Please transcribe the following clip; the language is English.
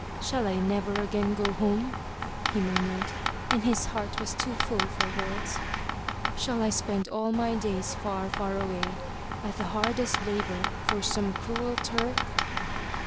Shall I never again go home?" he murmured, and his heart was too full for words. * 'Shall I spend all my days far, far away, at the hardest labor for some cruel Turk?"